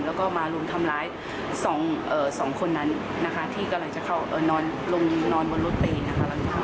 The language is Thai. แล้วก็มารวมทำร้าย๒คนนั้นที่กำลังจะเข้านอนบนรถเตย